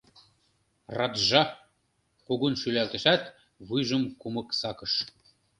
Раджа кугун шӱлалтышат, вуйжым кумык сакыш.